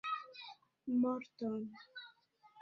Morton!